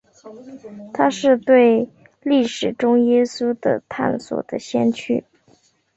他是对历史中耶稣的探索的先驱。